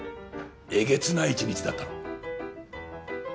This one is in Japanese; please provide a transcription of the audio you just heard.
えげつない１日だったろ。